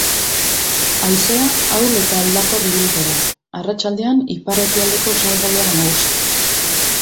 Haizea ahul eta aldakor ibiliko da, arratsaldean ipar-ekialdeko osagaia nagusi.